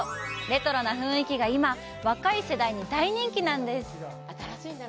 レトロな雰囲気が今、若い世代に大人気なんです。